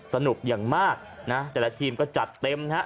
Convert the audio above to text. สนุกอย่างมากนะแต่ละทีมก็จัดเต็มนะฮะ